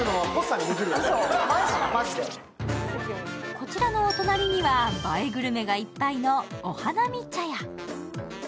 こちらのお隣には映えグルメがいっぱいのお花見茶屋。